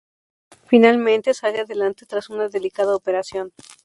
Finalmente sale adelante tras una delicada operación.